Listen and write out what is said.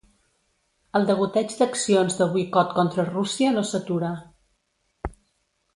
El degoteig d’accions de boicot contra Rússia no s’atura.